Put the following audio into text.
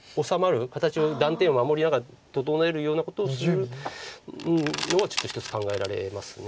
形を断点を守りながら整えるようなことをするのはちょっと一つ考えられます。